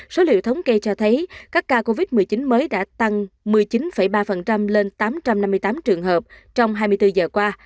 số liệu thống kê cho thấy các ca covid một mươi chín mới đã tăng một mươi chín ba lên tám trăm năm mươi tám trường hợp trong hai mươi bốn giờ qua